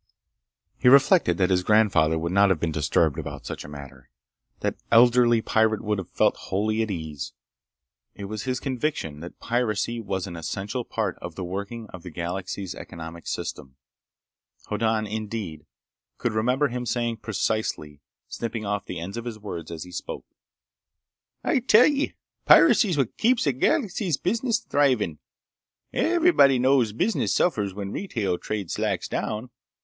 He reflected that his grandfather would not have been disturbed about such a matter. That elderly pirate would have felt wholly at ease. It was his conviction that piracy was an essential part of the working of the galaxy's economic system. Hoddan, indeed, could remember him saying precisely, snipping off the ends of his words as he spoke: "I tell y', piracy's what keeps the galaxy's business thriving! Everybody knows business suffers when retail trade slacks down.